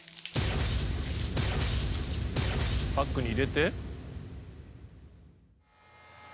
パックに入れて。